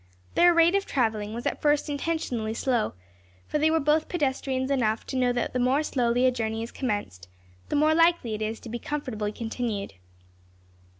Their rate of travelling was at first intentionally slow, for they were both pedestrians enough to know that the more slowly a journey is commenced, the more likely it is to be comfortably continued.